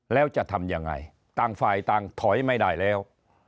แล้วจะทำยังไงต่างฝ่ายต่างถอยไม่ได้แล้ว